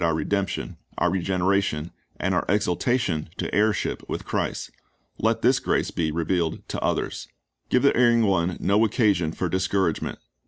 Grace in the Saviour effected our redemption, our regeneration, and our exaltation to heirship Avith Christ. Let this grace be revealed to others. Give the erring one no occasion for discouragement.